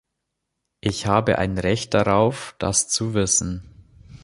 Ich habe ein Recht darauf, das zu wissen.